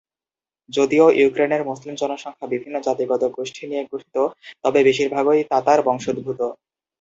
যদিও ইউক্রেনের মুসলিম জনসংখ্যা বিভিন্ন জাতিগত গোষ্ঠী নিয়ে গঠিত, তবে বেশিরভাগই তাতার বংশোদ্ভূত।